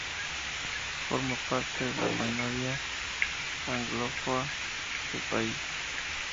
Forma parte de la minoría anglófona del país.